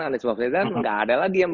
anies baswedan nggak ada lagi yang